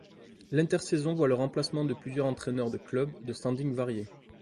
L'intersaison voit le remplacement de plusieurs entraîneurs de clubs de standing variés.